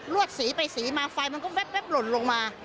วดสีไปสีมาไฟมันก็แป๊บหล่นลงมา